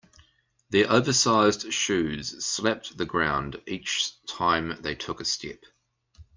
Their oversized shoes slapped the ground each time they took a step.